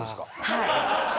はい。